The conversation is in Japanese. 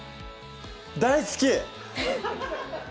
大好き‼